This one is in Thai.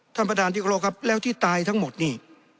ท่านประธานที่กรบครับแล้วที่ตายทั้งหมดนี่